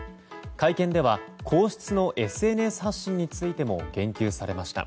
会見では皇室のＳＮＳ発信についても言及されました。